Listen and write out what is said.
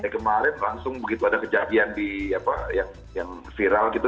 kemarin langsung begitu ada kejadian yang viral gitu